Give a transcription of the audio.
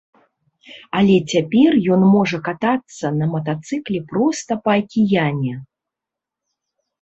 Але цяпер ён можа катацца на матацыкле проста па акіяне.